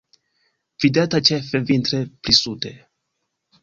Vidata ĉefe vintre pli sude.